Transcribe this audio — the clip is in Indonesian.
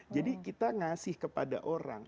jadi kita ngasih kepada orang